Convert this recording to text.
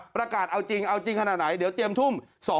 ประกาศเอาจริงเอาจริงขนาดไหนเดี๋ยวเตรียมทุ่ม